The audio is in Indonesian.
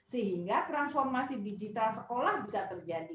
sehingga transformasi digital sekolah bisa terjadi